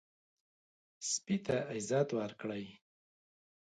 سپي ته عزت ورکړئ.